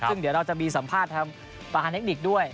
ซึ่งเดี๋ยวเราจะมีสัมภาษณ์ทางประธานเทคนิคด้วย